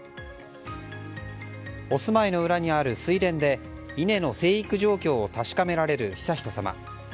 お住いの裏にある水田で稲の生育状況を確かめられる悠仁さま。